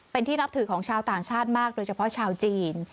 เป็นที่นับถือของชาวต่างชาติมากโดยเฉพาะชาวจีน